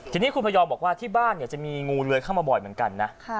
ทีนี้คุณพยอมบอกว่าที่บ้านจะมีงูเลื้อยเข้ามาบ่อยเหมือนกันนะ